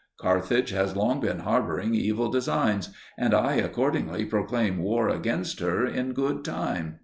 Carthage has long been harbouring evil designs, and I accordingly proclaim war against her in good time.